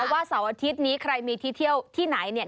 ว่าเสาร์อาทิตย์นี้ใครมีที่เที่ยวที่ไหนเนี่ย